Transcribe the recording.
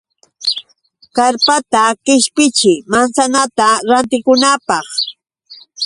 Karpata qishpichiy manzanata rantikunaapaq.